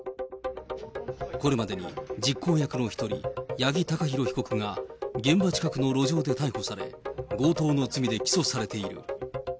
これまでに実行役の１人、八木貴寛被告が、現場近くの路上で逮捕され、強盗の罪で起訴されている。